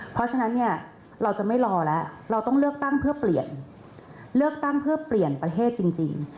เพราะฉะนั้นเนี่ยเราจะไม่รอแล้วเราต้องเลือกตั้งเพื่อเปลี่ยนเลือกตั้งเพื่อเปลี่ยนประเทศจริง